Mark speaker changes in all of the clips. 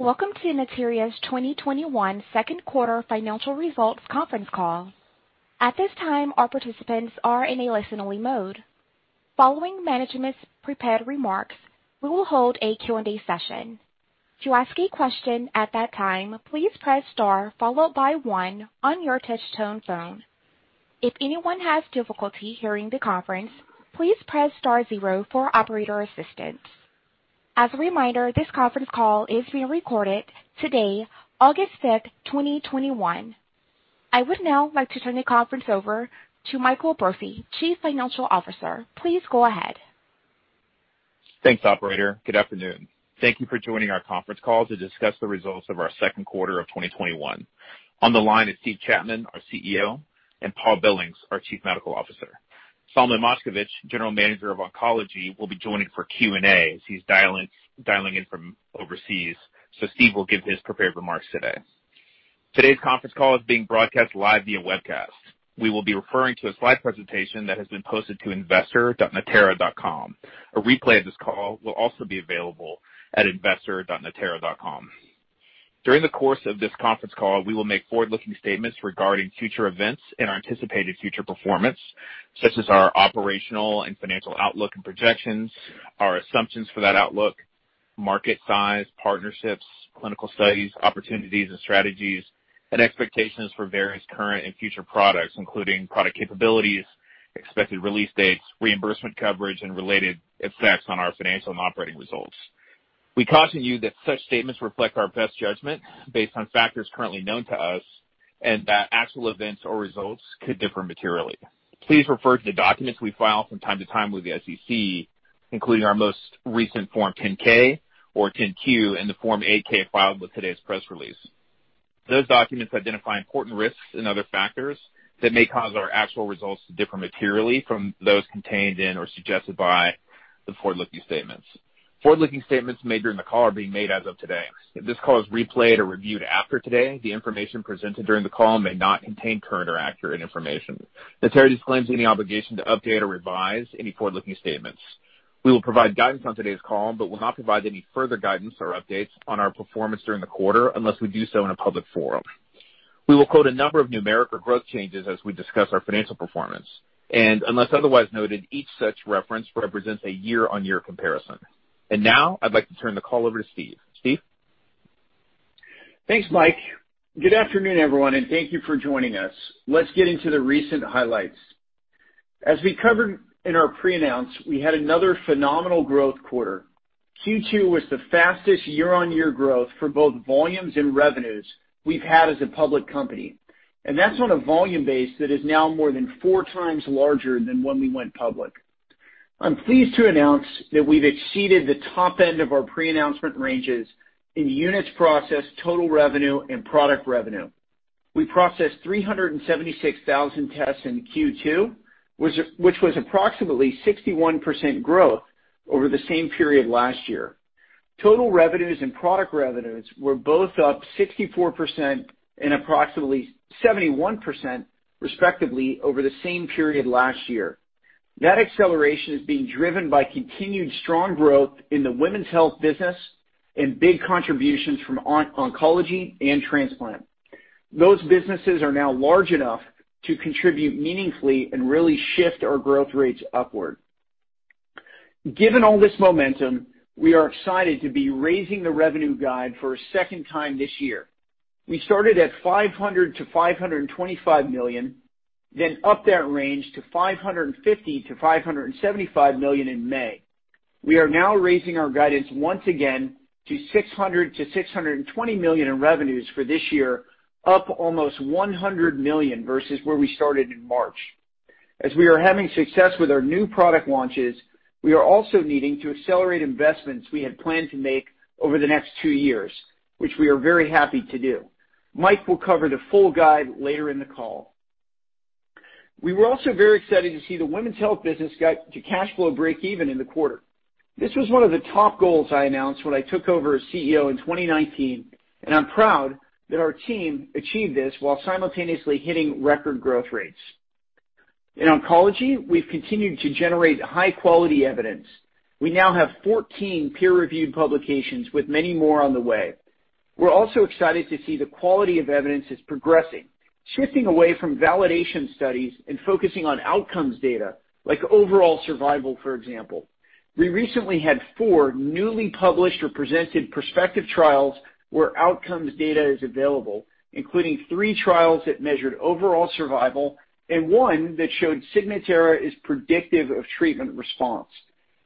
Speaker 1: Welcome to Natera's 2021 second quarter financial results conference call. At this time, our participants are in a listen-only mode. Following management's prepared remarks, we will hold a Q&A session. To ask a question at that time, please press star followed by one on your touch-tone phone. If anyone has difficulty hearing the conference, please press star zero for operator assistance. As a reminder, this conference call is being recorded today, August 5th, 2021. I would now like to turn the conference over to Michael Brophy, Chief Financial Officer. Please go ahead.
Speaker 2: Thanks, operator. Good afternoon. Thank you for joining our conference call to discuss the results of our second quarter of 2021. On the line is Steve Chapman, our CEO, and Paul Billings, our Chief Medical Officer. Solomon Moshkevich, General Manager, Oncology, will be joining for Q&A as he's dialing in from overseas. Steve will give his prepared remarks today. Today's conference call is being broadcast live via webcast. We will be referring to a slide presentation that has been posted to investor.natera.com. A replay of this call will also be available at investor.natera.com. During the course of this conference call, we will make forward-looking statements regarding future events and our anticipated future performance, such as our operational and financial outlook and projections, our assumptions for that outlook, market size, partnerships, clinical studies, opportunities and strategies, and expectations for various current and future products, including product capabilities, expected release dates, reimbursement coverage, and related effects on our financial and operating results. We caution you that such statements reflect our best judgment based on factors currently known to us, and that actual events or results could differ materially. Please refer to the documents we file from time to time with the SEC, including our most recent Form 10-K or 10-Q and the Form 8-K filed with today's press release. Those documents identify important risks and other factors that may cause our actual results to differ materially from those contained in or suggested by the forward-looking statements. Forward-looking statements made during the call are being made as of today. If this call is replayed or reviewed after today, the information presented during the call may not contain current or accurate information. Natera disclaims any obligation to update or revise any forward-looking statements. We will provide guidance on today's call, but will not provide any further guidance or updates on our performance during the quarter unless we do so in a public forum. We will quote a number of numeric or growth changes as we discuss our financial performance. Unless otherwise noted, each such reference represents a year-on-year comparison. Now I'd like to turn the call over to Steve. Steve?
Speaker 3: Thanks, Mike. Good afternoon, everyone, and thank you for joining us. Let's get into the recent highlights. As we covered in our pre-announce, we had another phenomenal growth quarter. Q2 was the fastest year-on-year growth for both volumes and revenues we've had as a public company. That's on a volume base that is now more than 4x larger than when we went public. I'm pleased to announce that we've exceeded the top end of our pre-announcement ranges in units processed, total revenue, and product revenue. We processed 376,000 tests in Q2, which was approximately 61% growth over the same period last year. Total revenues and product revenues were both up 64% and approximately 71%, respectively, over the same period last year. That acceleration is being driven by continued strong growth in the women's health business and big contributions from oncology and transplant. Those businesses are now large enough to contribute meaningfully and really shift our growth rates upward. Given all this momentum, we are excited to be raising the revenue guide for a second time this year. We started at $500 million-$525 million, then upped that range to $550 million-$575 million in May. We are now raising our guidance once again to $600 million-$620 million in revenues for this year, up almost $100 million versus where we started in March. As we are having success with our new product launches, we are also needing to accelerate investments we had planned to make over the next two years, which we are very happy to do. Mike will cover the full guide later in the call. We were also very excited to see the women's health business get to cash flow breakeven in the quarter. This was one of the top goals I announced when I took over as CEO in 2019. I'm proud that our team achieved this while simultaneously hitting record growth rates. In oncology, we've continued to generate high-quality evidence. We now have 14 peer-reviewed publications, with many more on the way. We're also excited to see the quality of evidence is progressing, shifting away from validation studies and focusing on outcomes data like overall survival, for example. We recently had four newly published or presented prospective trials where outcomes data is available, including three trials that measured overall survival and 1 that showed Signatera is predictive of treatment response.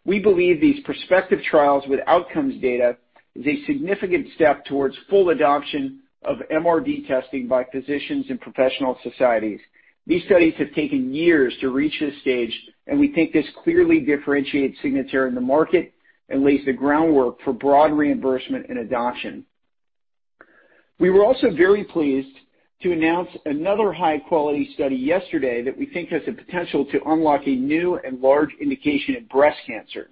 Speaker 3: We believe these prospective trials with outcomes data is a significant step towards full adoption of MRD testing by physicians and professional societies. These studies have taken years to reach this stage, and we think this clearly differentiates Signatera in the market and lays the groundwork for broad reimbursement and adoption. We were also very pleased to announce another high-quality study yesterday that we think has the potential to unlock a new and large indication in breast cancer.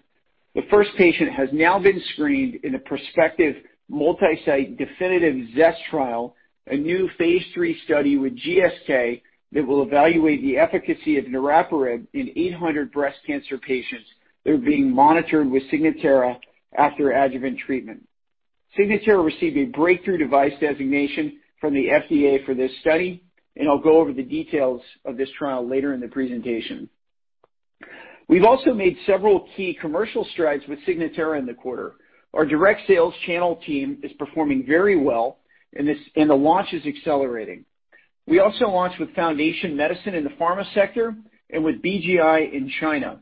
Speaker 3: The first patient has now been screened in a prospective multi-site definitive ZEST trial, a new phase III study with GSK that will evaluate the efficacy of niraparib in 800 breast cancer patients that are being monitored with Signatera after adjuvant treatment. Signatera received a breakthrough device designation from the FDA for this study. I'll go over the details of this trial later in the presentation. We've also made several key commercial strides with Signatera in the quarter. Our direct sales channel team is performing very well, and the launch is accelerating. We also launched with Foundation Medicine in the pharma sector and with BGI in China.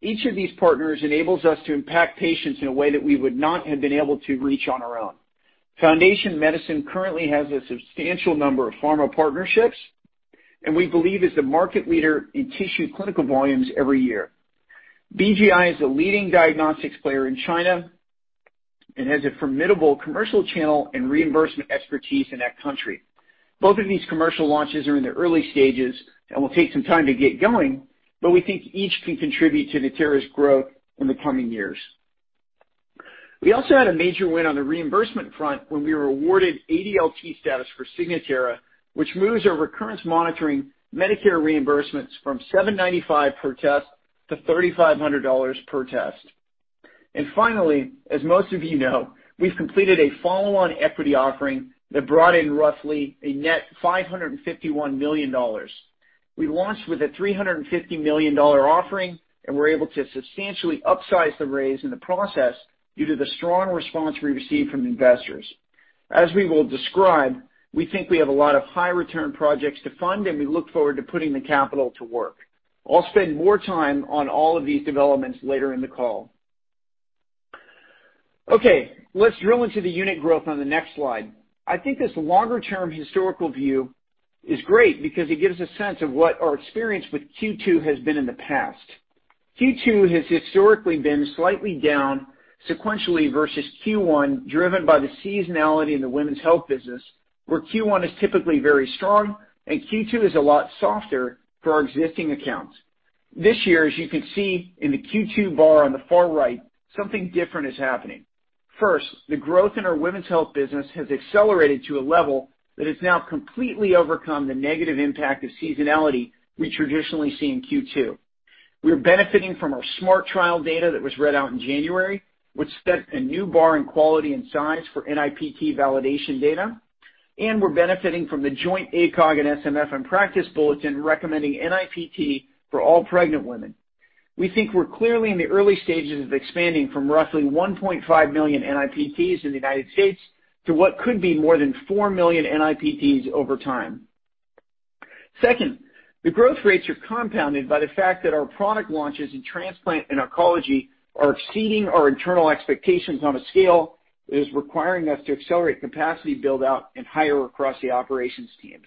Speaker 3: Each of these partners enables us to impact patients in a way that we would not have been able to reach on our own. Foundation Medicine currently has a substantial number of pharma partnerships, and we believe is the market leader in tissue clinical volumes every year. BGI is a leading diagnostics player in China and has a formidable commercial channel and reimbursement expertise in that country. Both of these commercial launches are in the early stages and will take some time to get going, but we think each can contribute to Natera's growth in the coming years. We also had a major win on the reimbursement front when we were awarded ADLT status for Signatera, which moves our recurrence monitoring Medicare reimbursements from $795 per test to $3,500 per test. Finally, as most of you know, we've completed a follow-on equity offering that brought in roughly a net $551 million. We launched with a $350 million offering, and were able to substantially upsize the raise in the process due to the strong response we received from investors. As we will describe, we think we have a lot of high return projects to fund, we look forward to putting the capital to work. I'll spend more time on all of these developments later in the call. Okay, let's drill into the unit growth on the next slide. I think this longer-term historical view is great because it gives a sense of what our experience with Q2 has been in the past. Q2 has historically been slightly down sequentially versus Q1, driven by the seasonality in the women's health business, where Q1 is typically very strong and Q2 is a lot softer for our existing accounts. This year, as you can see in the Q2 bar on the far right, something different is happening. First the growth in our women's health business has accelerated to a level that has now completely overcome the negative impact of seasonality we traditionally see in Q2. We are benefiting from our SMART trial data that was read out in January, which set a new bar in quality and size for NIPT validation data, and we're benefiting from the joint ACOG and SMFM practice bulletin recommending NIPT for all pregnant women. We think we're clearly in the early stages of expanding from roughly 1.5 million NIPTs in the United States to what could be more than 4 million NIPTs over time. Second, the growth rates are compounded by the fact that our product launches in transplant and oncology are exceeding our internal expectations on a scale that is requiring us to accelerate capacity build-out and hire across the operations teams.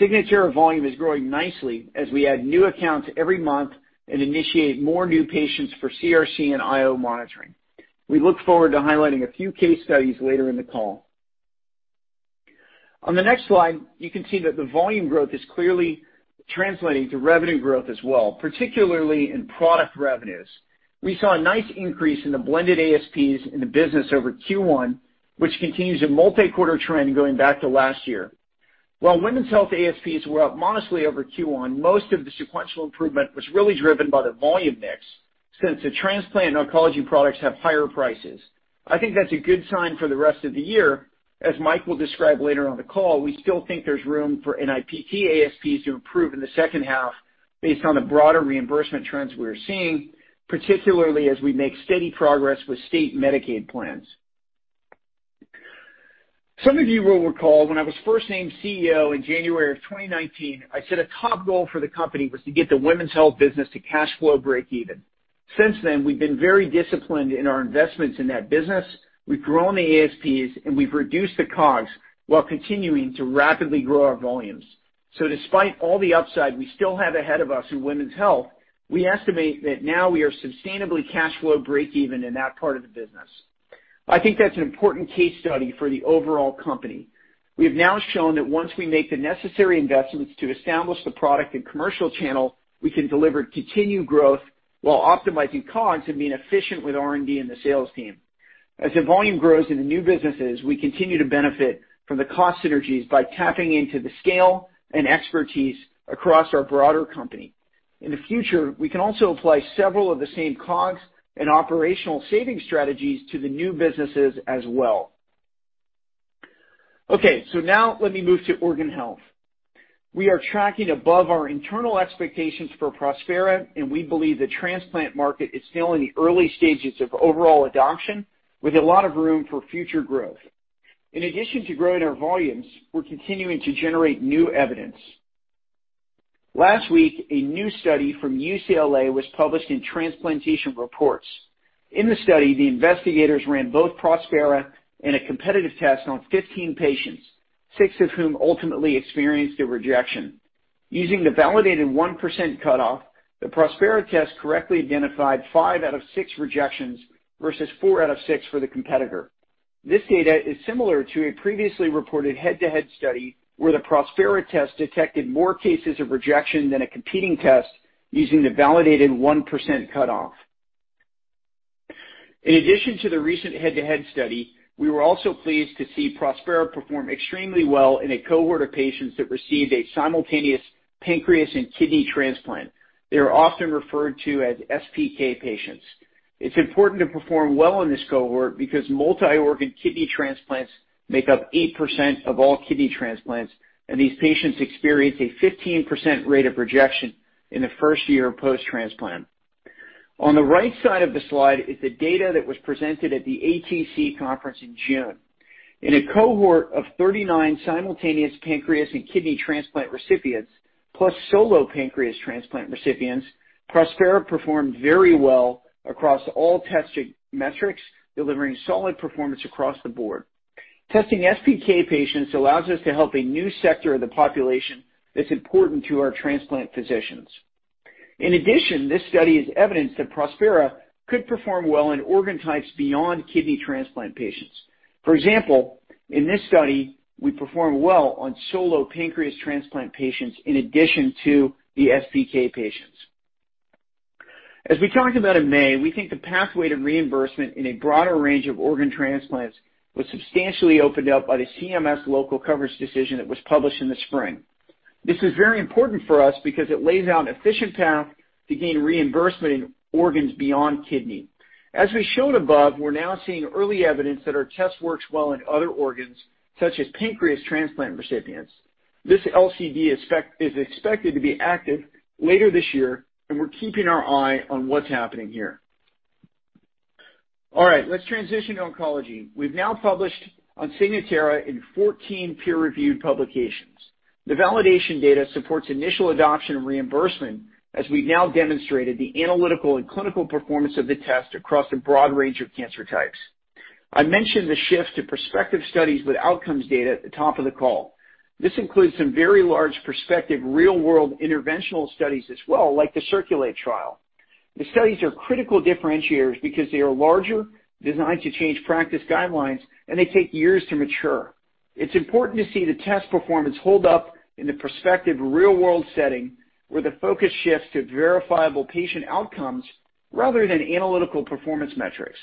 Speaker 3: Signatera volume is growing nicely as we add new accounts every month and initiate more new patients for CRC and IO monitoring. We look forward to highlighting a few case studies later in the call. On the next slide, you can see that the volume growth is clearly translating to revenue growth as well, particularly in product revenues. We saw a nice increase in the blended ASPs in the business over Q1, which continues a multi-quarter trend going back to last year. While women's health ASPs were up modestly over Q1, most of the sequential improvement was really driven by the volume mix since the transplant and oncology products have higher prices. I think that's a good sign for the rest of the year. As Mike will describe later on the call, we still think there's room for NIPT ASPs to improve in the second half based on the broader reimbursement trends we are seeing, particularly as we make steady progress with state Medicaid plans. Some of you will recall when I was first named CEO in January of 2019, I said a top goal for the company was to get the women's health business to cash flow breakeven. Since then, we've been very disciplined in our investments in that business. We've grown the ASPs, and we've reduced the COGS while continuing to rapidly grow our volumes. Despite all the upside we still have ahead of us in women's health, we estimate that now we are sustainably cash flow breakeven in that part of the business. I think that's an important case study for the overall company. We have now shown that once we make the necessary investments to establish the product and commercial channel, we can deliver continued growth while optimizing COGS and being efficient with R&D and the sales team. As the volume grows in the new businesses, we continue to benefit from the cost synergies by tapping into the scale and expertise across our broader company. In the future, we can also apply several of the same COGS and operational saving strategies to the new businesses as well. Now let me move to organ health. We are tracking above our internal expectations for Prospera, and we believe the transplant market is still in the early stages of overall adoption, with a lot of room for future growth. In addition to growing our volumes, we're continuing to generate new evidence. Last week, a new study from UCLA was published in Transplantation Reports. In the study, the investigators ran both Prospera and a competitive test on 15 patients, six of whom ultimately experienced a rejection. Using the validated 1% cutoff, the Prospera test correctly identified five out of six rejections, versus four out of six for the competitor. This data is similar to a previously reported head-to-head study where the Prospera test detected more cases of rejection than a competing test using the validated 1% cutoff. In addition to the recent head-to-head study, we were also pleased to see Prospera perform extremely well in a cohort of patients that received a simultaneous pancreas and kidney transplant. They are often referred to as SPK patients. It's important to perform well in this cohort because multi-organ kidney transplants make up 8% of all kidney transplants, and these patients experience a 15% rate of rejection in the first year post-transplant. On the right side of the slide is the data that was presented at the ATC conference in June. In a cohort of 39 simultaneous pancreas and kidney transplant recipients, plus solo pancreas transplant recipients, Prospera performed very well across all testing metrics, delivering solid performance across the board. Testing SPK patients allows us to help a new sector of the population that's important to our transplant physicians. In addition, this study is evidence that Prospera could perform well in organ types beyond kidney transplant patients. For example, in this study, we perform well on solo pancreas transplant patients in addition to the SPK patients. As we talked about in May, we think the pathway to reimbursement in a broader range of organ transplants was substantially opened up by the CMS local coverage decision that was published in the spring. This is very important for us because it lays out an efficient path to gain reimbursement in organs beyond kidney. As we showed above, we're now seeing early evidence that our test works well in other organs, such as pancreas transplant recipients. This LCD is expected to be active later this year, and we're keeping our eye on what's happening here. All right. Let's transition to oncology. We've now published on Signatera in 14 peer-reviewed publications. The validation data supports initial adoption and reimbursement as we've now demonstrated the analytical and clinical performance of the test across a broad range of cancer types. I mentioned the shift to prospective studies with outcomes data at the top of the call. This includes some very large prospective real-world interventional studies as well, like the CIRCULATE trial. The studies are critical differentiators because they are larger, designed to change practice guidelines, and they take years to mature. It's important to see the test performance hold up in the prospective real-world setting, where the focus shifts to verifiable patient outcomes rather than analytical performance metrics.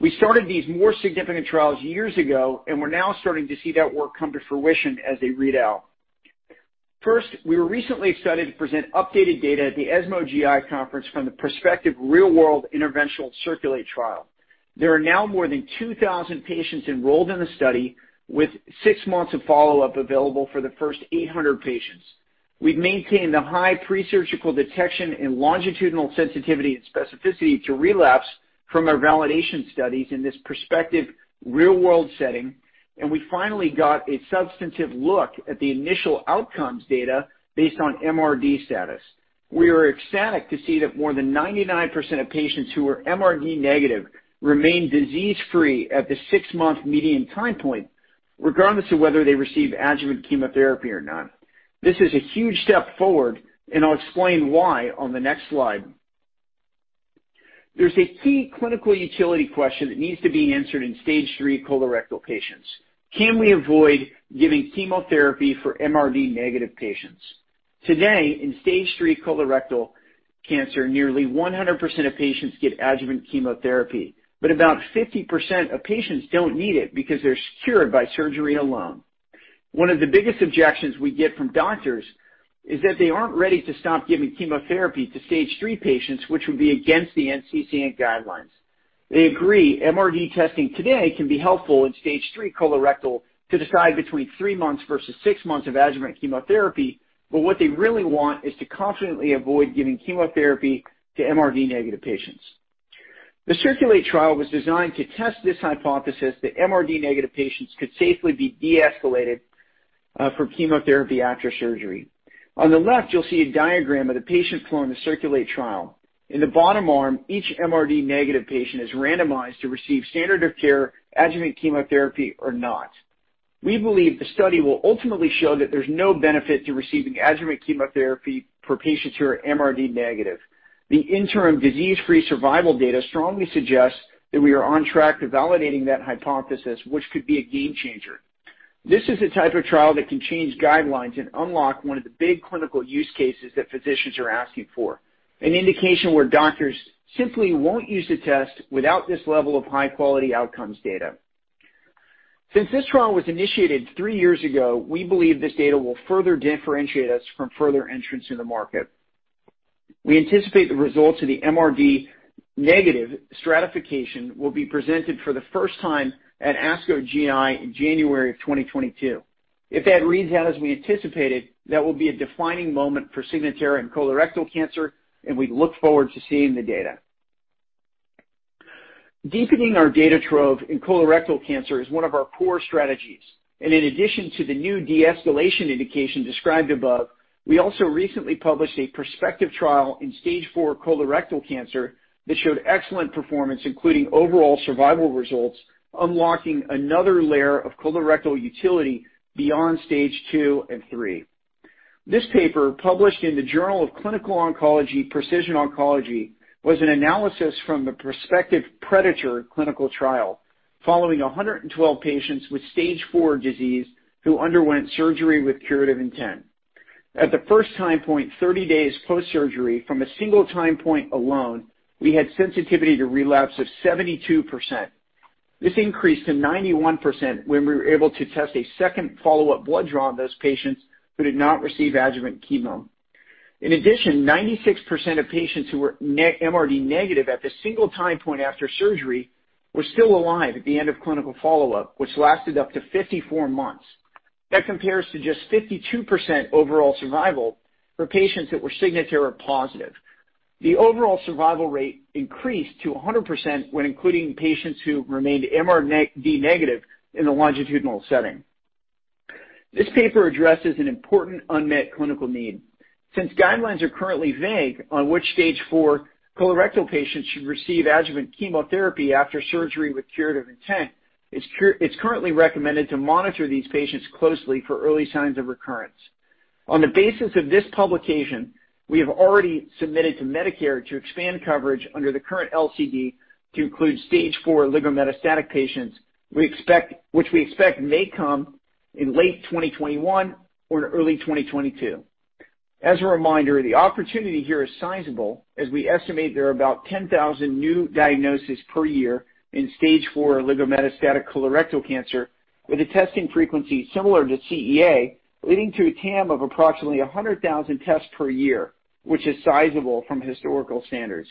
Speaker 3: We started these more significant trials years ago, and we're now starting to see that work come to fruition as they read out. First, we were recently excited to present updated data at the ESMO GI conference from the prospective real-world interventional CIRCULATE Trial. There are now more than 2,000 patients enrolled in the study, with six months of follow-up available for the first 800 patients. We've maintained a high pre-surgical detection and longitudinal sensitivity and specificity to relapse from our validation studies in this prospective real-world setting. We finally got a substantive look at the initial outcomes data based on MRD status. We are ecstatic to see that more than 99% of patients who are MRD-negative remain disease-free at the six-month median time point, regardless of whether they receive adjuvant chemotherapy or not. This is a huge step forward. I'll explain why on the next slide. There's a key clinical utility question that needs to be answered in Stage 3 colorectal patients: Can we avoid giving chemotherapy for MRD-negative patients? Today, in Stage 3 colorectal cancer, nearly 100% of patients get adjuvant chemotherapy, but about 50% of patients don't need it because they're cured by surgery alone. One of the biggest objections we get from doctors is that they aren't ready to stop giving chemotherapy to Stage 3 patients, which would be against the NCCN guidelines. They agree MRD testing today can be helpful in Stage 3 colorectal to decide between three months versus six months of adjuvant chemotherapy, but what they really want is to confidently avoid giving chemotherapy to MRD-negative patients. The CIRCULATE trial was designed to test this hypothesis that MRD-negative patients could safely be deescalated from chemotherapy after surgery. On the left, you'll see a diagram of the patient flow in the CIRCULATE trial. In the bottom arm, each MRD-negative patient is randomized to receive standard of care adjuvant chemotherapy or not. We believe the study will ultimately show that there's no benefit to receiving adjuvant chemotherapy for patients who are MRD-negative. The interim disease-free survival data strongly suggests that we are on track to validating that hypothesis, which could be a game changer. This is the type of trial that can change guidelines and unlock one of the big clinical use cases that physicians are asking for, an indication where doctors simply won't use the test without this level of high-quality outcomes data. Since this trial was initiated three years ago, we believe this data will further differentiate us from further entrants in the market. We anticipate the results of the MRD-negative stratification will be presented for the first time at ASCO GI in January of 2022. If that reads out as we anticipated, that will be a defining moment for Signatera and colorectal cancer, and we look forward to seeing the data. Deepening our data trove in colorectal cancer is one of our core strategies, and in addition to the new de-escalation indication described above, we also recently published a prospective trial in Stage 4 colorectal cancer that showed excellent performance, including overall survival results, unlocking another layer of colorectal utility beyond Stage 2 and 3. This paper, published in Journal of Clinical Oncology Precision Oncology, was an analysis from the prospective PREDATOR clinical trial, following 112 patients with Stage 4 disease who underwent surgery with curative intent. At the first time point, 30 days post-surgery, from a single time point alone, we had sensitivity to relapse of 72%. This increased to 91% when we were able to test a second follow-up blood draw on those patients who did not receive adjuvant chemo. In addition, 96% of patients who were MRD-negative at the single time point after surgery were still alive at the end of clinical follow-up, which lasted up to 54 months. That compares to just 52% overall survival for patients that were Signatera positive. The overall survival rate increased to 100% when including patients who remained MRD-negative in the longitudinal setting. This paper addresses an important unmet clinical need. Since guidelines are currently vague on which Stage 4 colorectal patients should receive adjuvant chemotherapy after surgery with curative intent, it's currently recommended to monitor these patients closely for early signs of recurrence. On the basis of this publication, we have already submitted to Medicare to expand coverage under the current LCD to include Stage 4 oligometastatic patients, which we expect may come in late 2021 or in early 2022. As a reminder, the opportunity here is sizable as we estimate there are about 10,000 new diagnosis per year in Stage 4 oligometastatic colorectal cancer with a testing frequency similar to CEA, leading to a TAM of approximately 100,000 tests per year, which is sizable from historical standards.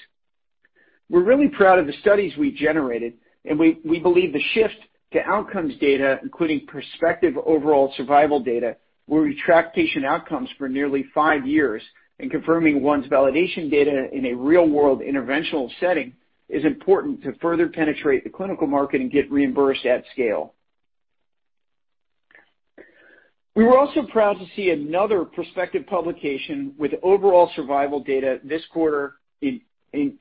Speaker 3: We're really proud of the studies we generated, we believe the shift to outcomes data, including prospective overall survival data, where we track patient outcomes for nearly five years and confirming one's validation data in a real-world interventional setting is important to further penetrate the clinical market and get reimbursed at scale. We were also proud to see another prospective publication with overall survival data this quarter in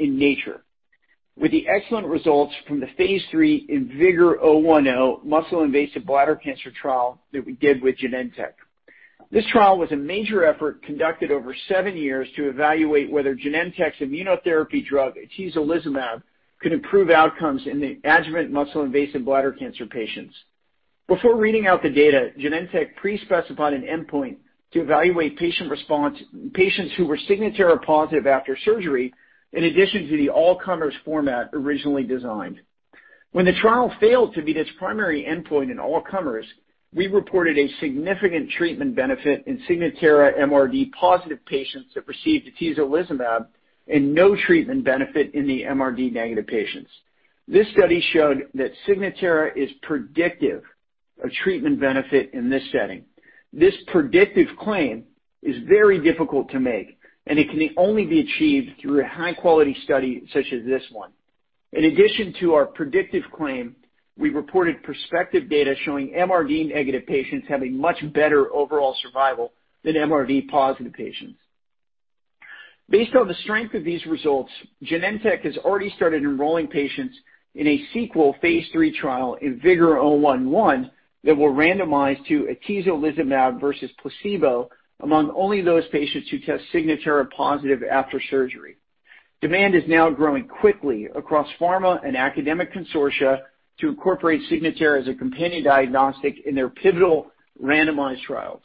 Speaker 3: Nature. With the excellent results from the phase III IMvigor010 muscle-invasive bladder cancer trial that we did with Genentech. This trial was a major effort conducted over seven years to evaluate whether Genentech's immunotherapy drug, atezolizumab, could improve outcomes in the adjuvant muscle-invasive bladder cancer patients. Before reading out the data, Genentech pre-specified an endpoint to evaluate patient response in patients who were Signatera positive after surgery, in addition to the all-comers format originally designed. When the trial failed to meet its primary endpoint in all comers, we reported a significant treatment benefit in Signatera MRD positive patients that received atezolizumab and no treatment benefit in the MRD-negative patients. This study showed that Signatera is predictive of treatment benefit in this setting. This predictive claim is very difficult to make, and it can only be achieved through a high-quality study such as this one. In addition to our predictive claim, we reported prospective data showing MRD-negative patients having much better overall survival than MRD-positive patients. Based on the strength of these results, Genentech has already started enrolling patients in a sequel phase III trial, IMvigor011, that will randomize to atezolizumab versus placebo among only those patients who test Signatera positive after surgery. Demand is now growing quickly across pharma and academic consortia to incorporate Signatera as a companion diagnostic in their pivotal randomized trials.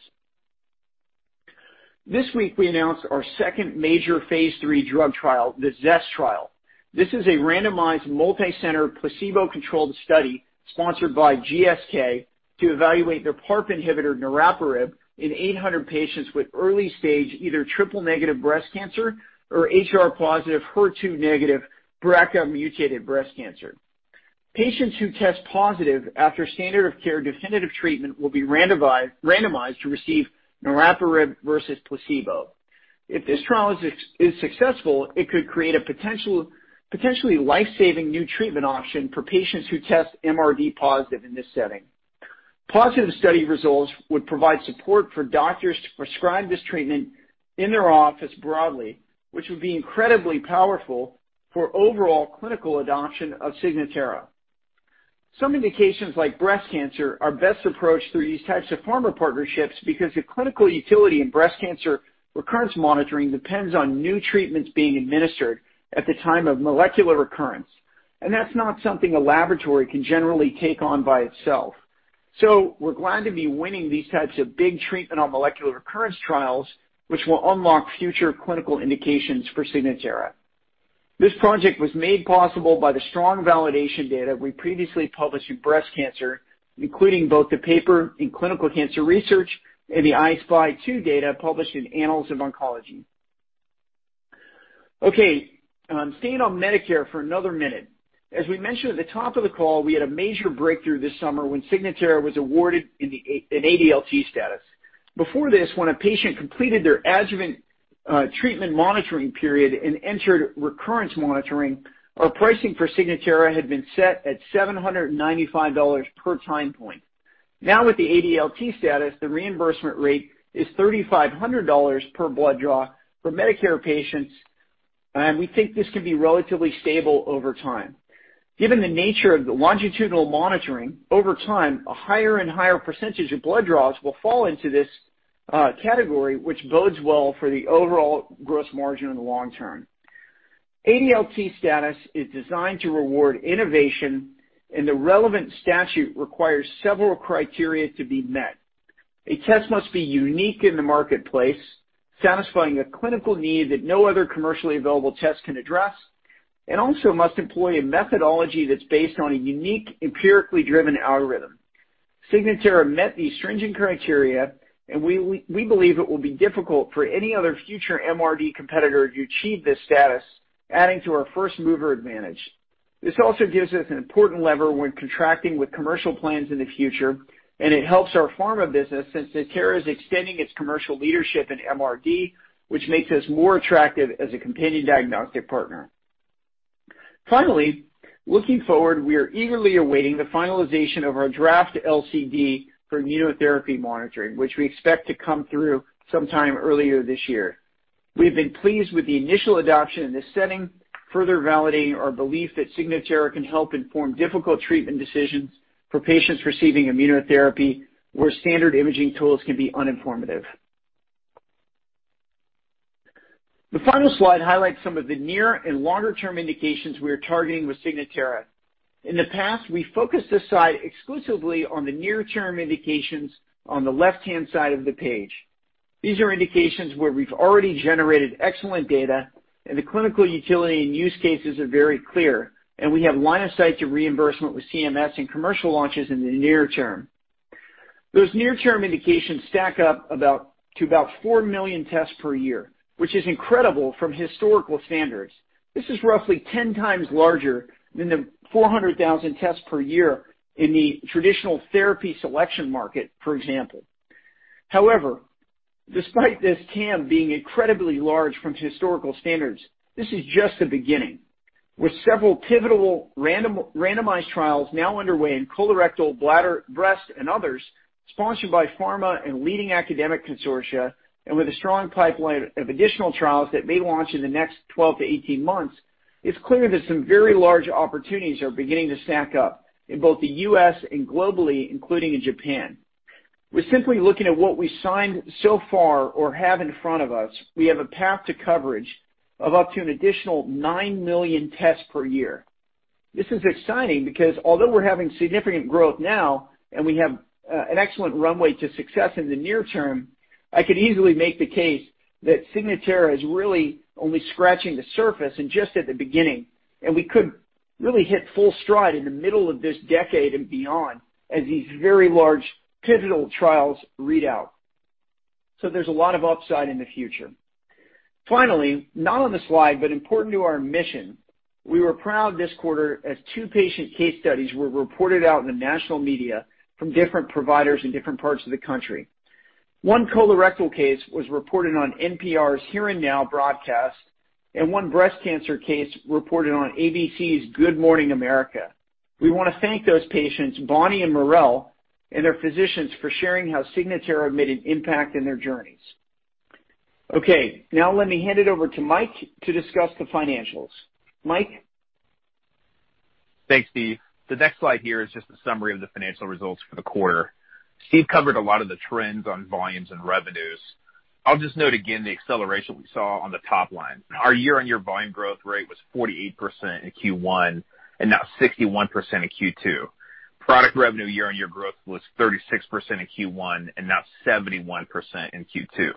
Speaker 3: This week we announced our second major phase III drug trial, the ZEST trial. This is a randomized, multicenter, placebo-controlled study sponsored by GSK to evaluate their PARP inhibitor, niraparib, in 800 patients with early stage either triple negative breast cancer or HR-positive, HER2-negative, BRCA mutated breast cancer. Patients who test positive after standard of care definitive treatment will be randomized to receive niraparib versus placebo. If this trial is successful, it could create a potentially life-saving new treatment option for patients who test MRD-positive in this setting. Positive study results would provide support for doctors to prescribe this treatment in their office broadly, which would be incredibly powerful for overall clinical adoption of Signatera. Some indications, like breast cancer, are best approached through these types of pharma partnerships because the clinical utility in breast cancer recurrence monitoring depends on new treatments being administered at the time of molecular recurrence, and that's not something a laboratory can generally take on by itself. We're glad to be winning these types of big treatment on molecular recurrence trials, which will unlock future clinical indications for Signatera. This project was made possible by the strong validation data we previously published in breast cancer, including both the paper in Clinical Cancer Research and the I-SPY 2 data published in Annals of Oncology. Staying on Medicare for another minute. As we mentioned at the top of the call, we had a major breakthrough this summer when Signatera was awarded an ADLT status. Before this, when a patient completed their adjuvant treatment monitoring period and entered recurrence monitoring, our pricing for Signatera had been set at $795 per time point. Now, with the ADLT status, the reimbursement rate is $3,500 per blood draw for Medicare patients, and we think this can be relatively stable over time. Given the nature of the longitudinal monitoring over time, a higher and higher percentage of blood draws will fall into this category, which bodes well for the overall gross margin in the long term. ADLT status is designed to reward innovation, and the relevant statute requires several criteria to be met. A test must be unique in the marketplace, satisfying a clinical need that no other commercially available test can address, and also must employ a methodology that's based on a unique, empirically driven algorithm. Signatera met these stringent criteria, and we believe it will be difficult for any other future MRD competitor to achieve this status, adding to our first-mover advantage. This also gives us an important lever when contracting with commercial plans in the future, and it helps our pharma business, since Natera is extending its commercial leadership in MRD, which makes us more attractive as a companion diagnostic partner. Finally, looking forward, we are eagerly awaiting the finalization of our draft LCD for immunotherapy monitoring, which we expect to come through sometime earlier this year. We've been pleased with the initial adoption in this setting, further validating our belief that Signatera can help inform difficult treatment decisions for patients receiving immunotherapy, where standard imaging tools can be uninformative. The final slide highlights some of the near and longer-term indications we are targeting with Signatera. In the past, we focused this site exclusively on the near-term indications on the left-hand side of the page. These are indications where we've already generated excellent data and the clinical utility and use cases are very clear, and we have line of sight to reimbursement with CMS and commercial launches in the near term. Those near-term indications stack up to about 4 million tests per year, which is incredible from historical standards. This is roughly 10x larger than the 400,000 tests per year in the traditional therapy selection market, for example. However, despite this TAM being incredibly large from historical standards, this is just the beginning. With several pivotal randomized trials now underway in colorectal, bladder, breast, and others, sponsored by pharma and leading academic consortia, and with a strong pipeline of additional trials that may launch in the next 12-18 months, it's clear that some very large opportunities are beginning to stack up in both the U.S. and globally, including in Japan. With simply looking at what we signed so far or have in front of us, we have a path to coverage of up to an additional 9 million tests per year. This is exciting because although we're having significant growth now and we have an excellent runway to success in the near term, I could easily make the case that Signatera is really only scratching the surface and just at the beginning. We could really hit full stride in the middle of this decade and beyond as these very large pivotal trials read out. There's a lot of upside in the future. Finally, not on the slide, but important to our mission, we were proud this quarter as two patient case studies were reported out in the national media from different providers in different parts of the country. One colorectal case was reported on NPR's Here & Now broadcast. One breast cancer case reported on ABC's Good Morning America. We want to thank those patients, Bonnie and Murrell, and their physicians for sharing how Signatera made an impact in their journeys. Okay. Now let me hand it over to Mike to discuss the financials. Mike?
Speaker 2: Thanks, Steve. The next slide here is just a summary of the financial results for the quarter. Steve covered a lot of the trends on volumes and revenues. I'll just note again the acceleration we saw on the top line. Our year-on-year volume growth rate was 48% in Q1 and now 61% in Q2. Product revenue year-on-year growth was 36% in Q1 and now 71% in Q2.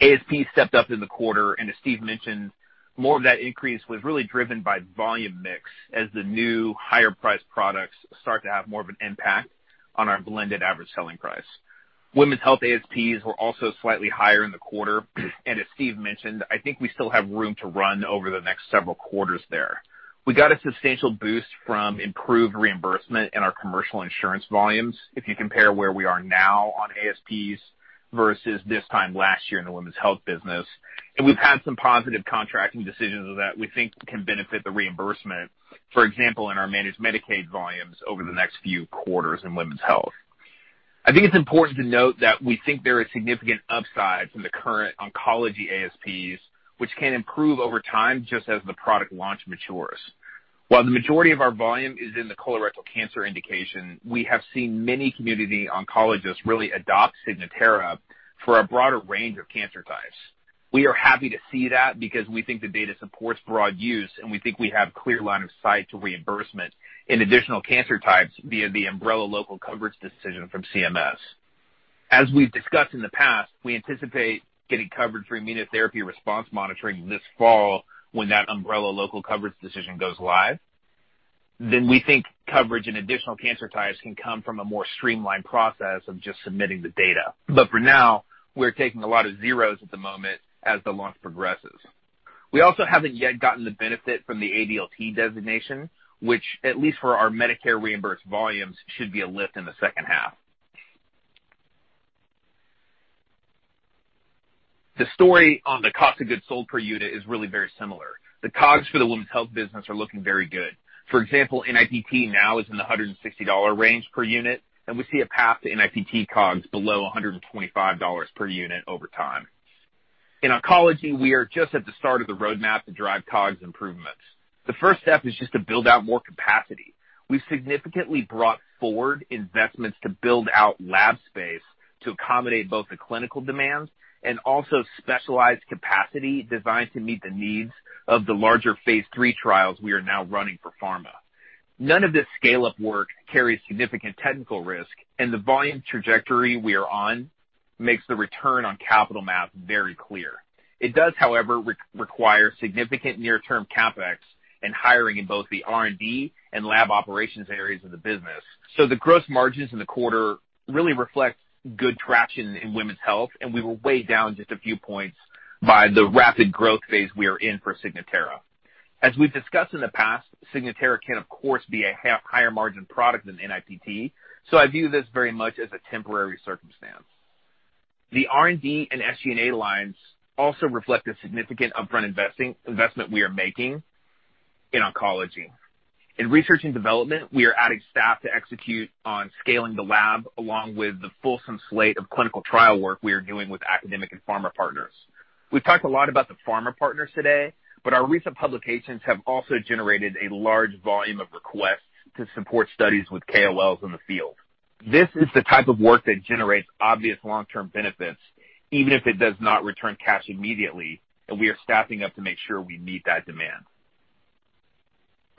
Speaker 2: ASP stepped up in the quarter, and as Steve mentioned, more of that increase was really driven by volume mix as the new higher priced products start to have more of an impact on our blended average selling price. Women's health ASPs were also slightly higher in the quarter, and as Steve mentioned, I think we still have room to run over the next several quarters there. We got a substantial boost from improved reimbursement in our commercial insurance volumes if you compare where we are now on ASPs versus this time last year in the women's health business. We've had some positive contracting decisions that we think can benefit the reimbursement. For example, in our managed Medicaid volumes over the next few quarters in women's health. I think it's important to note that we think there is significant upside from the current oncology ASPs, which can improve over time just as the product launch matures. While the majority of our volume is in the colorectal cancer indication, we have seen many community oncologists really adopt Signatera for a broader range of cancer types. We are happy to see that because we think the data supports broad use, and we think we have clear line of sight to reimbursement in additional cancer types via the umbrella local coverage decision from CMS. As we've discussed in the past, we anticipate getting coverage for immunotherapy response monitoring this fall when that umbrella local coverage decision goes live. We think coverage in additional cancer types can come from a more streamlined process of just submitting the data. For now, we're taking a lot of zeros at the moment as the launch progresses. We also haven't yet gotten the benefit from the ADLT designation, which at least for our Medicare reimbursed volumes, should be a lift in the second half. The story on the cost of goods sold per unit is really very similar. The COGS for the women's health business are looking very good. For example, NIPT now is in the $160 range per unit, and we see a path to NIPT COGS below $125 per unit over time. In oncology, we are just at the start of the roadmap to drive COGS improvements. The first step is just to build out more capacity. We've significantly brought forward investments to build out lab space to accommodate both the clinical demands and also specialized capacity designed to meet the needs of the larger phase III trials we are now running for pharma. None of this scale-up work carries significant technical risk, and the volume trajectory we are on makes the return on capital math very clear. It does, however, require significant near-term CapEx and hiring in both the R&D and lab operations areas of the business. The gross margins in the quarter really reflect good traction in women's health, and we were weighed down just a few points by the rapid growth phase we are in for Signatera. As we've discussed in the past, Signatera can of course be a higher margin product than NIPT. I view this very much as a temporary circumstance. The R&D and SG&A lines also reflect a significant upfront investment we are making in oncology. In research and development, we are adding staff to execute on scaling the lab, along with the fulsome slate of clinical trial work we are doing with academic and pharma partners. We've talked a lot about the pharma partners today. Our recent publications have also generated a large volume of requests to support studies with KOLs in the field. This is the type of work that generates obvious long-term benefits, even if it does not return cash immediately, and we are staffing up to make sure we meet that demand.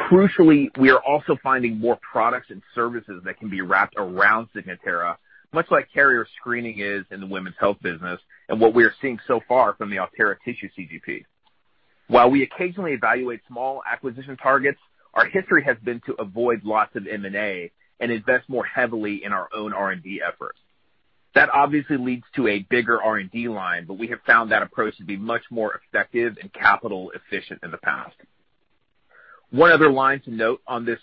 Speaker 2: Crucially, we are also finding more products and services that can be wrapped around Signatera, much like carrier screening is in the women's health business and what we are seeing so far from the Altera tissue CGP. While we occasionally evaluate small acquisition targets, our history has been to avoid lots of M&A and invest more heavily in our own R&D efforts. That obviously leads to a bigger R&D line, we have found that approach to be much more effective and capital efficient in the past. One other line to note on this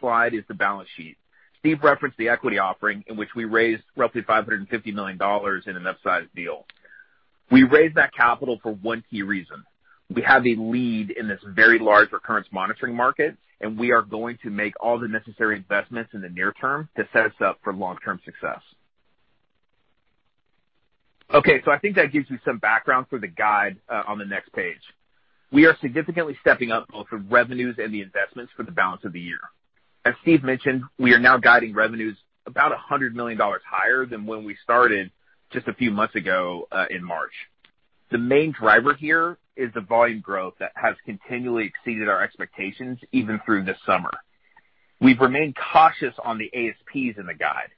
Speaker 2: slide is the balance sheet. Steve referenced the equity offering in which we raised roughly $550 million in an upsized deal. We raised that capital for one key reason. We have a lead in this very large recurrence monitoring market, and we are going to make all the necessary investments in the near term to set us up for long-term success. I think that gives you some background for the guide on the next page. We are significantly stepping up both the revenues and the investments for the balance of the year. As Steve mentioned, we are now guiding revenues about $100 million higher than when we started just a few months ago, in March. The main driver here is the volume growth that has continually exceeded our expectations, even through the summer. We've remained cautious on the ASPs in the guide.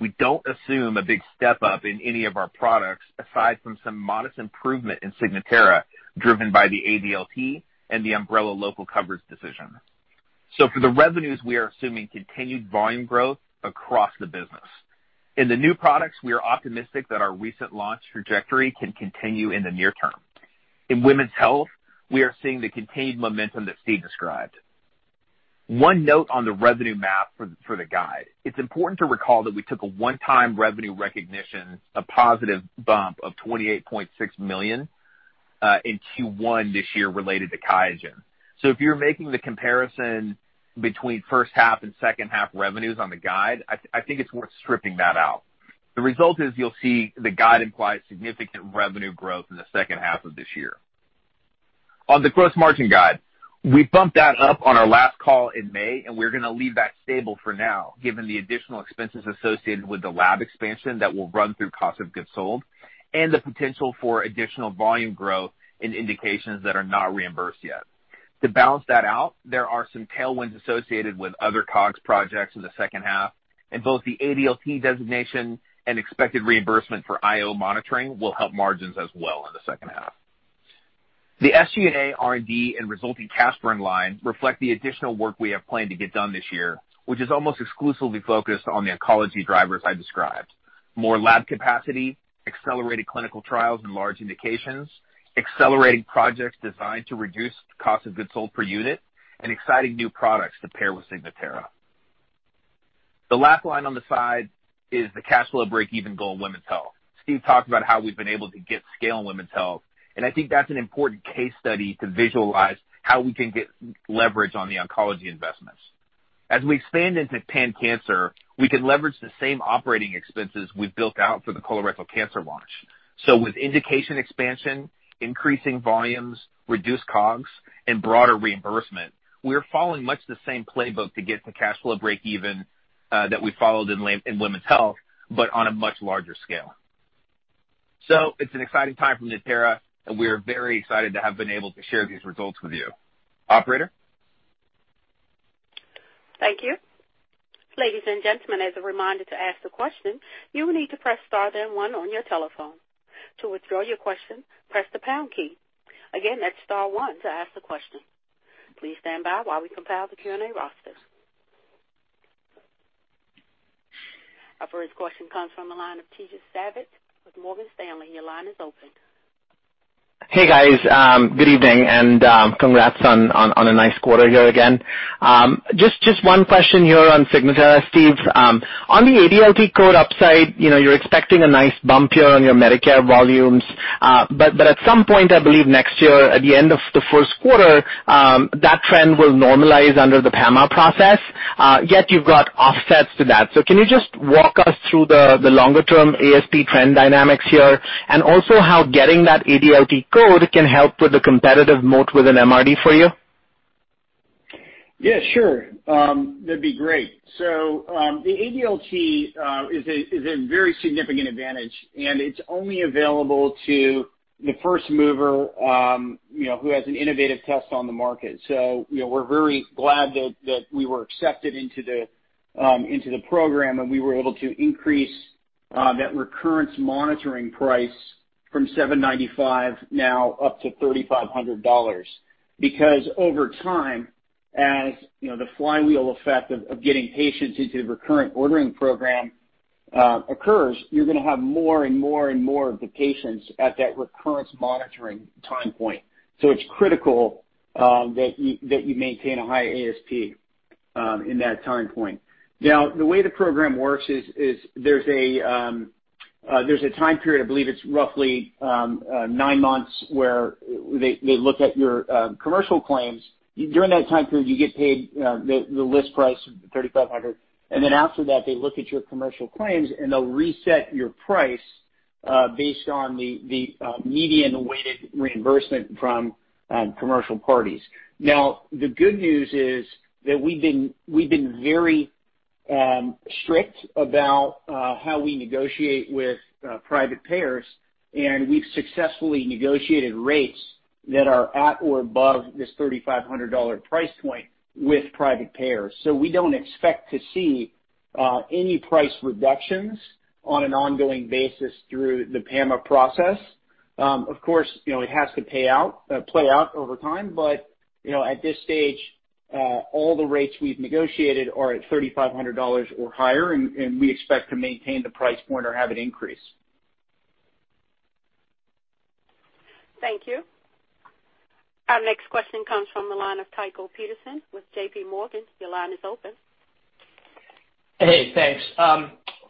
Speaker 2: We don't assume a big step up in any of our products, aside from some modest improvement in Signatera, driven by the ADLT and the umbrella local coverage decision. For the revenues, we are assuming continued volume growth across the business. In the new products, we are optimistic that our recent launch trajectory can continue in the near term. In women's health, we are seeing the contained momentum that Steve described. One note on the revenue map for the guide. It's important to recall that we took a one-time revenue recognition, a positive bump of $28.6 million, in Q1 this year related to QIAGEN. If you're making the comparison between first half and second half revenues on the guide, I think it's worth stripping that out. The result is you'll see the guide implies significant revenue growth in the second half of this year. On the gross margin guide, we bumped that up on our last call in May, and we're going to leave that stable for now, given the additional expenses associated with the lab expansion that will run through cost of goods sold and the potential for additional volume growth in indications that are not reimbursed yet. To balance that out, there are some tailwinds associated with other COGS projects in the second half, and both the ADLT designation and expected reimbursement for IO monitoring will help margins as well in the second half. The SG&A R&D and resulting cash burn line reflect the additional work we have planned to get done this year, which is almost exclusively focused on the oncology drivers I described. More lab capacity, accelerated clinical trials in large indications, accelerating projects designed to reduce cost of goods sold per unit, and exciting new products to pair with Signatera. The last line on the side is the cash flow breakeven goal in women's health. Steve talked about how we've been able to get scale in women's health, and I think that's an important case study to visualize how we can get leverage on the oncology investments. As we expand into pan-cancer, we can leverage the same operating expenses we've built out for the colorectal cancer launch. With indication expansion, increasing volumes, reduced COGS, and broader reimbursement, we are following much the same playbook to get to cash flow breakeven, that we followed in women's health, but on a much larger scale. It's an exciting time for Natera, and we are very excited to have been able to share these results with you. Operator?
Speaker 1: Thank you. Ladies and gentlemen, as a reminder to ask the question, you will need to press star one on your telephone. To withdraw your question, press the pound key. Again, that's star one to ask the question. Please stand by while we compile the Q&A roster. Our first question comes from the line of Tejas Savant with Morgan Stanley. Your line is open.
Speaker 4: Hey, guys. Good evening, and congrats on a nice quarter here again. Just one question here on Signatera, Steve. On the ADLT code upside, you're expecting a nice bump here on your Medicare volumes. At some point, I believe next year, at the end of the first quarter, that trend will normalize under the PAMA process. Yet you've got offsets to that. Can you just walk us through the longer-term ASP trend dynamics here and also how getting that ADLT code can help with the competitive moat with an MRD for you?
Speaker 3: Yeah, sure. That'd be great. The ADLT is a very significant advantage, and it's only available to the first mover who has an innovative test on the market. We're very glad that we were accepted into the program, and we were able to increase. Recurrence monitoring price from $795 now up to $3,500. Over time, as the flywheel effect of getting patients into the recurrent ordering program occurs, you're going to have more and more of the patients at that recurrence monitoring time point. It's critical that you maintain a high ASP in that time point. The way the program works is there's a time period, I believe it's roughly nine months, where they look at your commercial claims. During that time period, you get paid the list price of $3,500. After that, they look at your commercial claims, and they'll reset your price based on the median-weighted reimbursement from commercial parties. The good news is that we've been very strict about how we negotiate with private payers, and we've successfully negotiated rates that are at or above this $3,500 price point with private payers. We don't expect to see any price reductions on an ongoing basis through the PAMA process. Of course, it has to play out over time. At this stage, all the rates we've negotiated are at $3,500 or higher, and we expect to maintain the price point or have it increase.
Speaker 1: Thank you. Our next question comes from the line of Tycho Peterson with JPMorgan. Your line is open.
Speaker 5: Hey, thanks.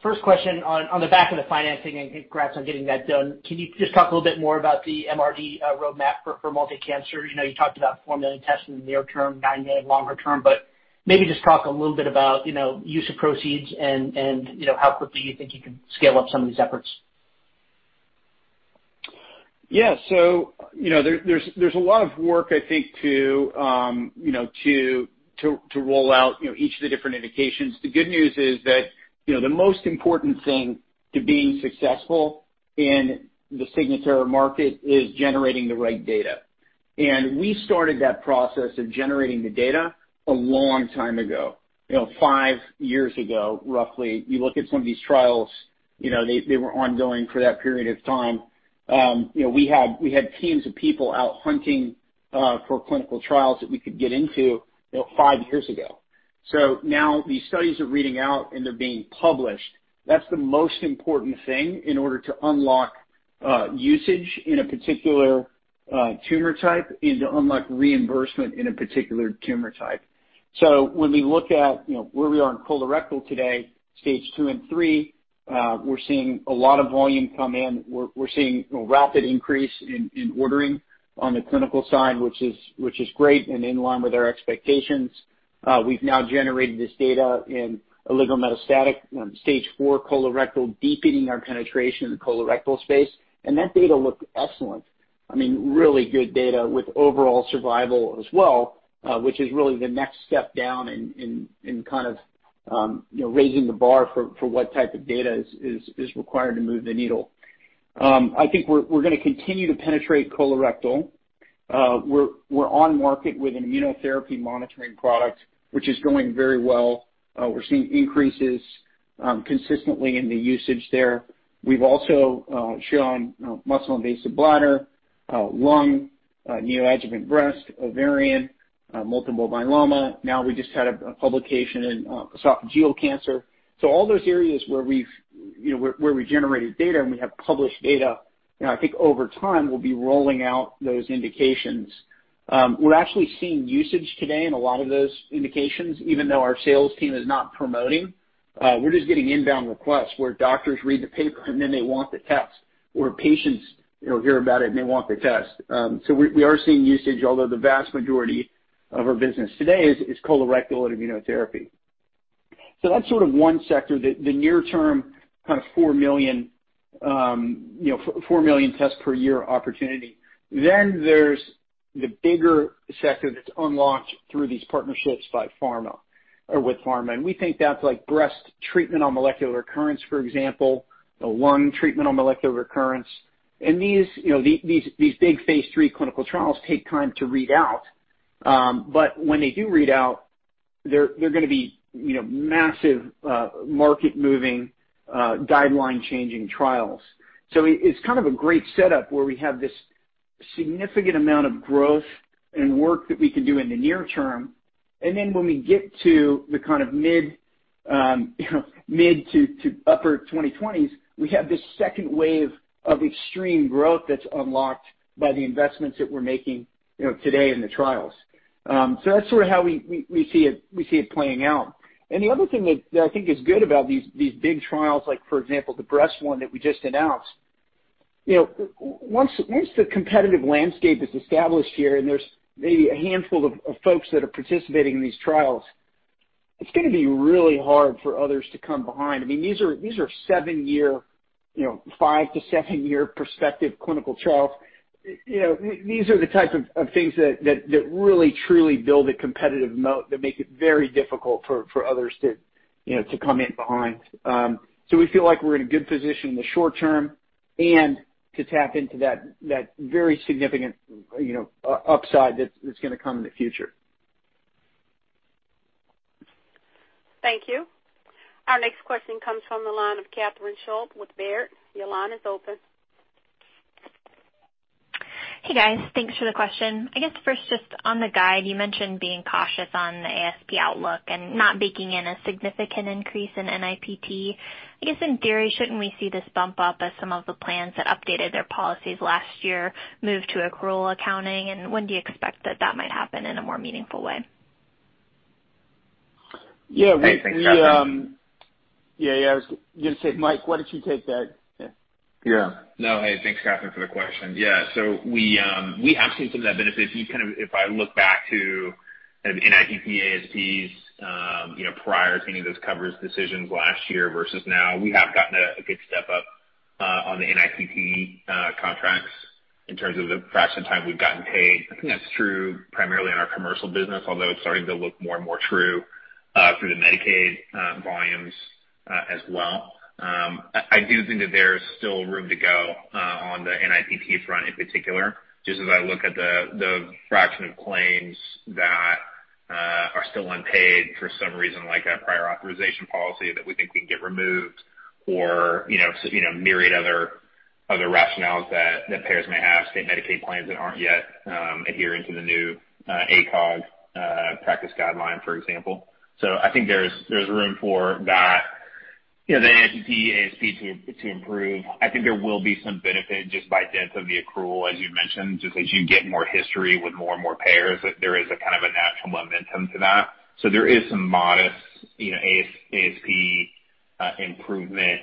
Speaker 5: First question on the back of the financing, and congrats on getting that done. Can you just talk a little bit more about the MRD roadmap for multi-cancer? You talked about 4 million tests in the near term, 9 million longer term, but maybe just talk a little bit about use of proceeds and how quickly you think you can scale up some of these efforts?
Speaker 3: There's a lot of work, I think, to roll out each of the different indications. The good news is that the most important thing to being successful in the Signatera market is generating the right data. We started that process of generating the data a long time ago, five years ago, roughly. You look at some of these trials, they were ongoing for that period of time. We had teams of people out hunting for clinical trials that we could get into five years ago. Now these studies are reading out and they're being published. That's the most important thing in order to unlock usage in a particular tumor type and to unlock reimbursement in a particular tumor type. When we look at where we are in colorectal today, Stage II and III, we're seeing a lot of volume come in. We're seeing a rapid increase in ordering on the clinical side, which is great and in line with our expectations. We've now generated this data in oligometastatic Stage 4 colorectal, deepening our penetration in the colorectal space. That data looked excellent. I mean, really good data with overall survival as well, which is really the next step down in kind of raising the bar for what type of data is required to move the needle. I think we're going to continue to penetrate colorectal. We're on market with an immunotherapy monitoring product, which is going very well. We're seeing increases consistently in the usage there. We've also shown muscle invasive bladder, lung, neoadjuvant breast, ovarian, multiple myeloma. Now we just had a publication in esophageal cancer. All those areas where we've generated data and we have published data, I think over time, we'll be rolling out those indications. We're actually seeing usage today in a lot of those indications, even though our sales team is not promoting. We're just getting inbound requests where doctors read the paper and then they want the test, or patients hear about it and they want the test. We are seeing usage, although the vast majority of our business today is colorectal and immunotherapy. That's sort of one sector, the near term kind of 4 million tests per year opportunity. There's the bigger sector that's unlocked through these partnerships by pharma or with pharma. We think that's like breast treatment on molecular recurrence, for example, lung treatment on molecular recurrence. These big phase III clinical trials take time to read out. When they do read out, they're going to be massive market moving, guideline changing trials. It's kind of a great setup where we have this significant amount of growth and work that we can do in the near term, then when we get to the kind of mid to upper 2020s, we have this second wave of extreme growth that's unlocked by the investments that we're making today in the trials. That's sort of how we see it playing out. The other thing that I think is good about these big trials, like for example, the breast one that we just announced. Once the competitive landscape is established here and there's maybe a handful of folks that are participating in these trials, it's going to be really hard for others to come behind. I mean, these are five to seven year prospective clinical trials. These are the type of things that really truly build a competitive moat that make it very difficult for others to come in behind. We feel like we're in a good position in the short term and to tap into that very significant upside that's going to come in the future.
Speaker 1: Thank you. Our next question comes from the line of Catherine Schulte with Baird. Your line is open.
Speaker 6: Hey, guys. Thanks for the question. I guess first, just on the guide, you mentioned being cautious on the ASP outlook and not baking in a significant increase in NIPT. I guess in theory, shouldn't we see this bump up as some of the plans that updated their policies last year move to accrual accounting? When do you expect that that might happen in a more meaningful way?
Speaker 3: Yeah.
Speaker 2: Hey, thanks, Catherine.
Speaker 3: Yeah. I was going to say, Mike, why don't you take that?
Speaker 2: No, hey, thanks, Catherine, for the question. We have seen some of that benefit. If I look back to NIPT ASPs prior to any of those coverage decisions last year versus now, we have gotten a good step up on the NIPT contracts in terms of the fraction of time we've gotten paid. I think that's true primarily in our commercial business, although it's starting to look more and more true through the Medicaid volumes as well. I do think that there's still room to go on the NIPT front in particular, just as I look at the fraction of claims that are still unpaid for some reason, like a prior authorization policy that we think can get removed or myriad other rationales that payers may have, say, Medicaid plans that aren't yet adhering to the new ACOG practice guideline, for example. I think there's room for that, the NIPT ASP to improve. I think there will be some benefit just by depth of the accrual, as you mentioned, just as you get more history with more and more payers, that there is a kind of a natural momentum to that. There is some modest ASP improvement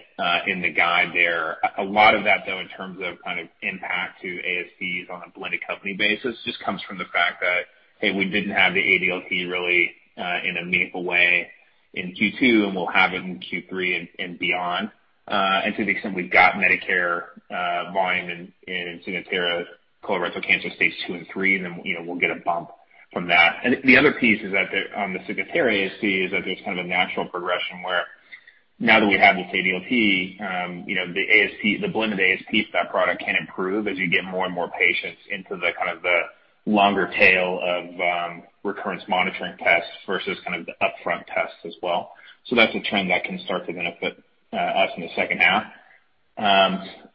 Speaker 2: in the guide there. A lot of that, though, in terms of impact to ASPs on a blended company basis, just comes from the fact that, hey, we didn't have the ADLT really in a meaningful way in Q2, and we'll have it in Q3 and beyond. To the extent we've got Medicare volume in Signatera colorectal cancer Stages 2 and 3, then we'll get a bump from that. The other piece on the Signatera ASP is that there's kind of a natural progression where now that we have this ADLT, the blended ASP for that product can improve as you get more and more patients into the longer tail of recurrence monitoring tests versus the upfront tests as well. That's a trend that can start to benefit us in the second half.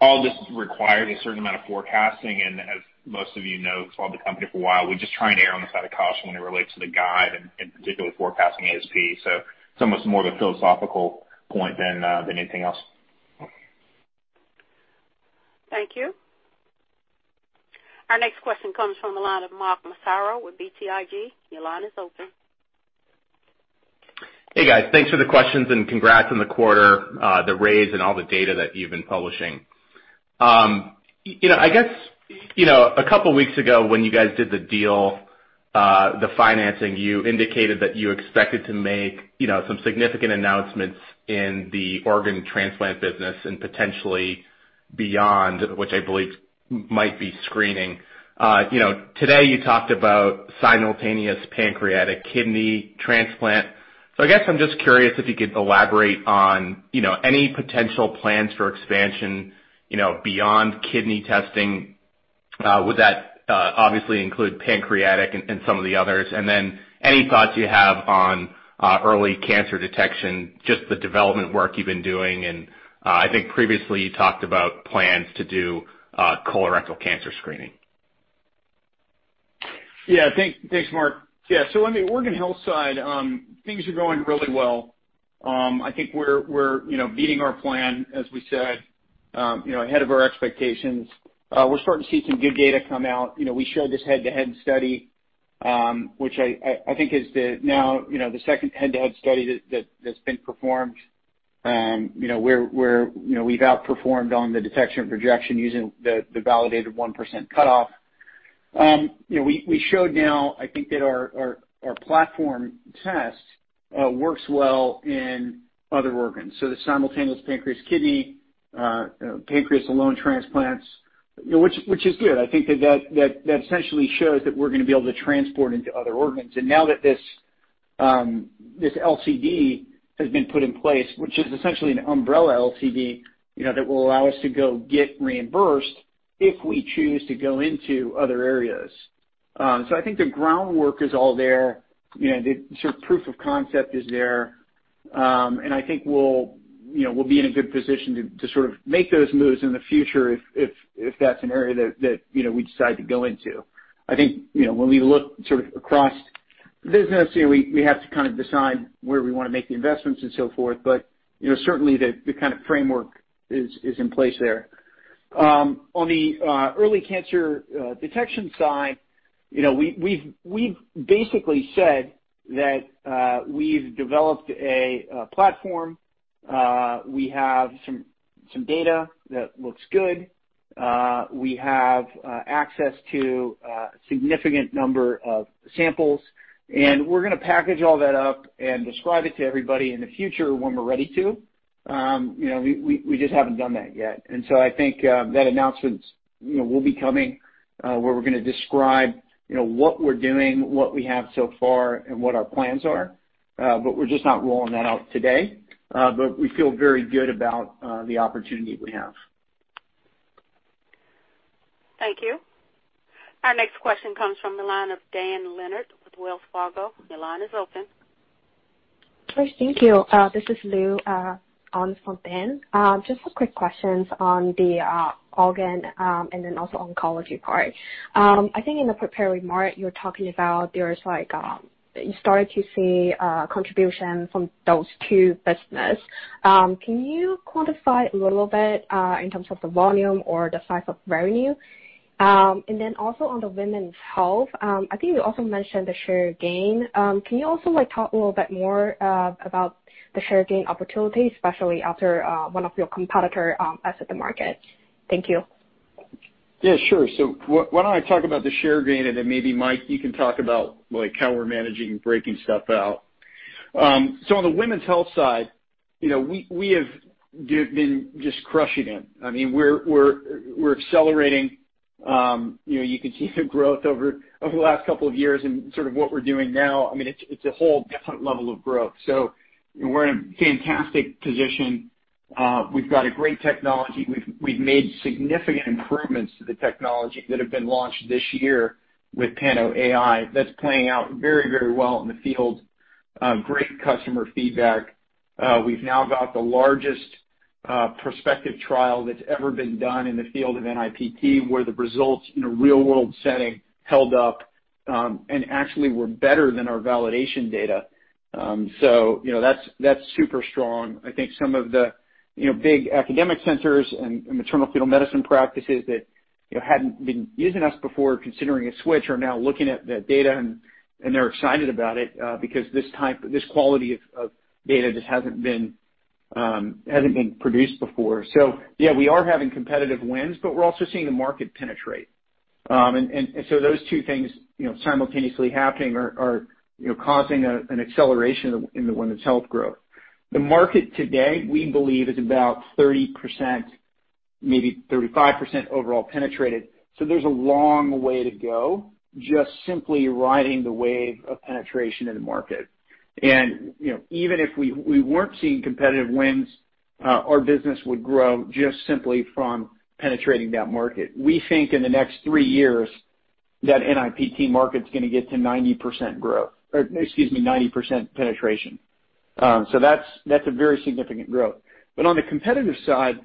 Speaker 2: All this requires a certain amount of forecasting, and as most of you know, because you've followed the company for a while, we just try and err on the side of caution when it relates to the guide and particularly forecasting ASP. It's almost more of a philosophical point than anything else.
Speaker 1: Thank you. Our next question comes from the line of Mark Massaro with BTIG. Your line is open.
Speaker 7: Hey, guys, thanks for the questions and congrats on the quarter, the raise, and all the data that you've been publishing. I guess, a couple of weeks ago when you guys did the deal, the financing, you indicated that you expected to make some significant announcements in the organ transplant business and potentially beyond, which I believe might be screening. Today you talked about simultaneous pancreatic kidney transplant. I guess I'm just curious if you could elaborate on any potential plans for expansion beyond kidney testing. Would that obviously include pancreatic and some of the others? Any thoughts you have on early cancer detection, just the development work you've been doing, and I think previously you talked about plans to do colorectal cancer screening.
Speaker 3: Yeah. Thanks, Mark. On the organ health side, things are going really well. I think we're beating our plan, as we said, ahead of our expectations. We're starting to see some good data come out. We showed this head-to-head study, which I think is now the second head-to-head study that's been performed, where we've outperformed on the detection and projection using the validated 1% cutoff. We show now, I think, that our platform test works well in other organs. The simultaneous pancreas kidney, pancreas alone transplants, which is good. I think that essentially shows that we're going to be able to transport into other organs. Now that this LCD has been put in place, which is essentially an umbrella LCD that will allow us to go get reimbursed if we choose to go into other areas. I think the groundwork is all there. The proof of concept is there. I think we'll be in a good position to make those moves in the future if that's an area that we decide to go into. I think when we look across the business, we have to decide where we want to make the investments and so forth, but certainly the framework is in place there. On the early cancer detection side, we've basically said that we've developed a platform. We have some data that looks good. We have access to a significant number of samples, and we're going to package all that up and describe it to everybody in the future when we're ready to. We just haven't done that yet. I think that announcement will be coming, where we're going to describe what we're doing, what we have so far, and what our plans are. We're just not rolling that out today. We feel very good about the opportunity we have.
Speaker 1: Thank you. Our next question comes from the line of Dan Leonard with Wells Fargo. Your line is open.
Speaker 8: Great. Thank you. This is Liu on for Dan. Just some quick questions on the organ, and then also oncology part. I think in the prepared remark, you were talking about you started to see contribution from those two business. Can you quantify a little bit, in terms of the volume or the size of revenue? On the women's health, I think you also mentioned the share gain. Can you also talk a little bit more about the share gain opportunity, especially after one of your competitor exit the market? Thank you.
Speaker 3: Yeah, sure. Why don't I talk about the share gain, and then maybe Mike, you can talk about how we're managing breaking stuff out. On the women's health side, we have been just crushing it. We're accelerating. You can see the growth over the last couple of years and sort of what we're doing now. It's a whole different level of growth. We're in a fantastic position. We've got a great technology. We've made significant improvements to the technology that have been launched this year with Pano AI that's playing out very well in the field. Great customer feedback. We've now got the largest prospective trial that's ever been done in the field of NIPT where the results in a real-world setting held up, and actually were better than our validation data. That's super strong. I think some of the big academic centers and maternal-fetal medicine practices that hadn't been using us before, considering a switch, are now looking at the data and they're excited about it because this quality of data just hasn't been produced before. Yeah, we are having competitive wins, but we're also seeing the market penetrate. Those two things simultaneously happening are causing an acceleration in the women's health growth. The market today, we believe, is about 30%, maybe 35% overall penetrated. There's a long way to go, just simply riding the wave of penetration in the market. Even if we weren't seeing competitive wins, our business would grow just simply from penetrating that market. We think in the next three years that NIPT market's going to get to 90% growth, or excuse me, 90% penetration. That's a very significant growth. On the competitive side,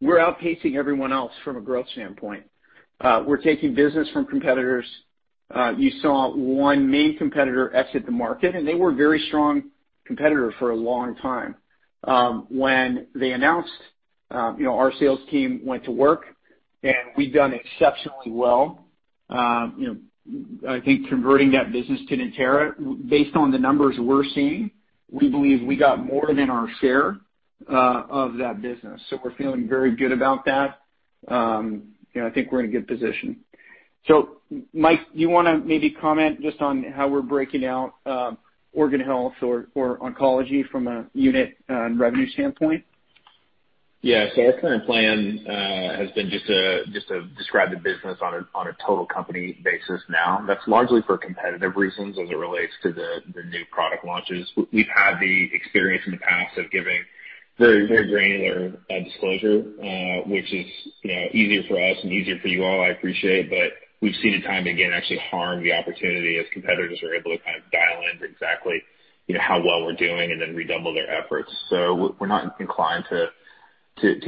Speaker 3: we're outpacing everyone else from a growth standpoint. We're taking business from competitors. You saw one main competitor exit the market, and they were a very strong competitor for a long time. When they announced, our sales team went to work, and we've done exceptionally well. I think converting that business to Natera, based on the numbers we're seeing, we believe we got more than our share of that business. We're feeling very good about that. I think we're in a good position. Mike, you want to maybe comment just on how we're breaking out Organ Health or Oncology from a unit and revenue standpoint?
Speaker 2: Our current plan has been just to describe the business on a total company basis now. That's largely for competitive reasons as it relates to the new product launches. We've had the experience in the past of giving very granular disclosure, which is easier for us and easier for you all, I appreciate, but we've seen it time and again actually harm the opportunity as competitors are able to kind of dial in to exactly how well we're doing and then redouble their efforts. We're not inclined to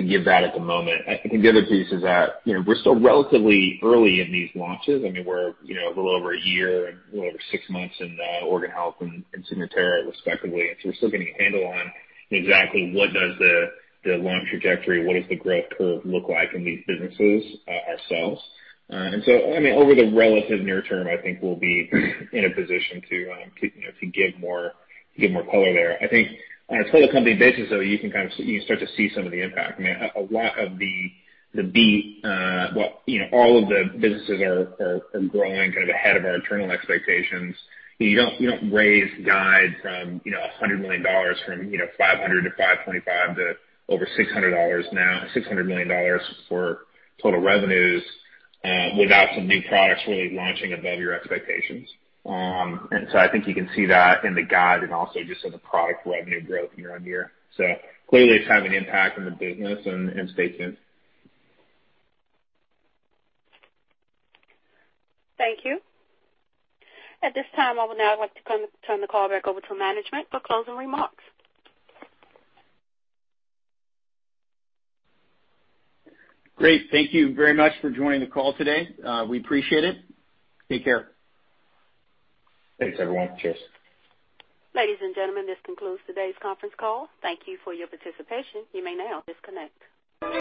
Speaker 2: give that at the moment. I think the other piece is that we're still relatively early in these launches. We're a little over a year and a little over six months in organ health and Signatera respectively. We're still getting a handle on exactly what does the long trajectory, what does the growth curve look like in these businesses ourselves. Over the relative near term, I think we'll be in a position to give more color there. I think on a total company basis, though, you can start to see some of the impact. A lot of the beat, all of the businesses are growing kind of ahead of our internal expectations. You don't raise the guide a $100 million from $500 million-$525 million to over $600 million for total revenues without some new products really launching above your expectations. I think you can see that in the guide and also just in the product revenue growth year on year. Clearly it's having an impact on the business and stay tuned.
Speaker 1: Thank you. At this time, I would now like to turn the call back over to management for closing remarks.
Speaker 3: Great. Thank you very much for joining the call today. We appreciate it. Take care.
Speaker 2: Thanks, everyone. Cheers.
Speaker 1: Ladies and gentlemen, this concludes today's conference call. Thank you for your participation. You may now disconnect.